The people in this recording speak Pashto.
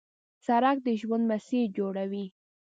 سړک د ژوند مسیر جوړوي.